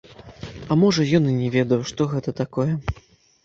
А можа, ён і не ведаў, што гэта такое?